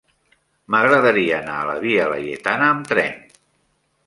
M'agradaria anar a la via Laietana amb tren.